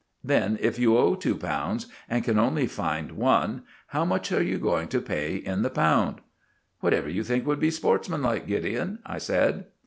"Then, if you owe two pounds and can only find one, how much are you going to pay in the pound?" "Whatever you think would be sportsmanlike, Gideon," I said.